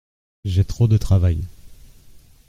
J’ai trop de travail.